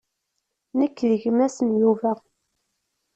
Nekk d gma-s n Yuba.